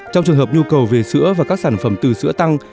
trong trường hợp nhu cầu về sữa và các sản phẩm từ sữa tăng